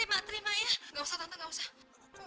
padahal uang itu buat bayar spp iqbal sama husin